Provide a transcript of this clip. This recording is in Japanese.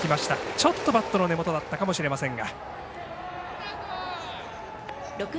ちょっとバットの根元だったかもしれませんが。